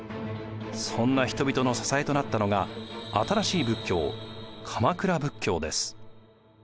そんな人々の支えとなったのが新しい仏教鎌倉仏教です。